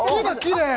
きれい！